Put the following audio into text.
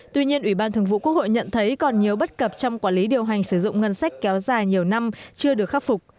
tuy nhiên ủy ban thường vụ quốc hội nhận thấy còn nhiều bất cập trong quản lý điều hành sử dụng ngân sách kéo dài nhiều năm chưa được khắc phục